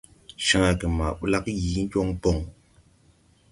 Cããge ma ɓlagge yii jɔŋ bɔŋ.